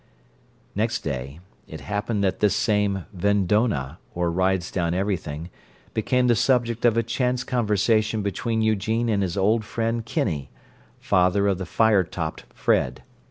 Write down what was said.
... Next day, it happened that this same "Vendonah" or "Rides Down Everything" became the subject of a chance conversation between Eugene and his old friend Kinney, father of the fire topped Fred.